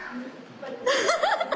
アハハハ！